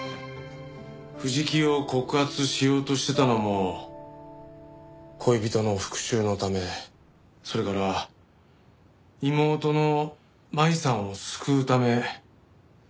藤木を告発しようとしてたのも恋人の復讐のためそれから妹の舞さんを救うため。